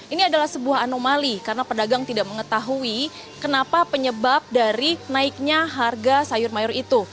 ini adalah sebuah anomali karena pedagang tidak mengetahui kenapa penyebab dari naiknya harga sayur mayur itu